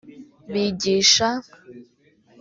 bigisha